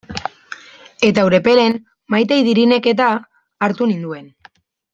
Eta Urepelen Maite Idirinek-eta hartu ninduen.